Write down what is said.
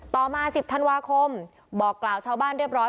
ต่อมา๑๐ธันวาคมบอกกล่าวชาวบ้านเรียบร้อย